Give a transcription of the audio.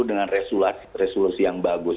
dengan resolusi yang bagus